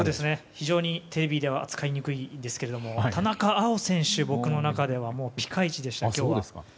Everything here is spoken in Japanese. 非常にテレビでは扱いにくいんですが田中碧選手が僕の中ではピカイチでした。